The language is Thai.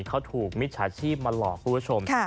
เขาถูกมิจฉาชีพมาหลอกคุณผู้ชม